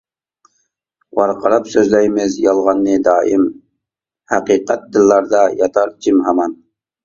ۋارقىراپ سۆزلەيمىز يالغاننى دائىم، ھەقىقەت دىللاردا ياتار جىم ھامان.